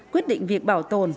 quyết định việc bảo tồn